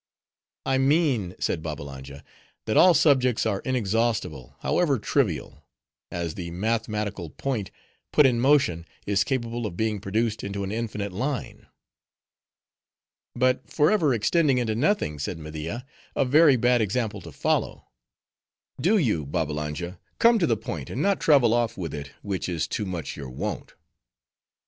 "I mean," said Babbalanja, "that all subjects are inexhaustible, however trivial; as the mathematical point, put in motion, is capable of being produced into an infinite line." "But forever extending into nothing," said Media. "A very bad example to follow. Do you, Babbalanja, come to the point, and not travel off with it, which is too much your wont."